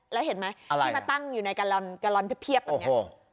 แล้วเห็นไหมที่มาตั้งอยู่ในกะลอนเพียบแบบนี้